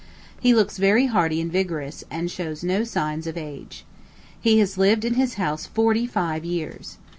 He looks very hearty and vigorous, and shows no signs of age. He has lived in his house forty five years.